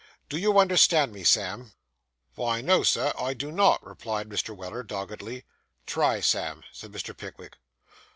Do you understand me, Sam?' 'Vy no, Sir, I do not,' replied Mr. Weller doggedly. 'Try, Sam,' said Mr. Pickwick.